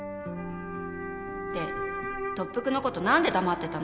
「で特服のこと何で黙ってたの？」